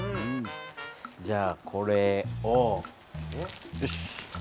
じゃあこれをよし。